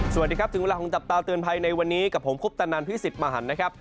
สวัสดีครับถึงเวลาของจับตาเตือนภัยในวันนี้กับผมคุปตนันพิสิทธิ์มหันนะครับ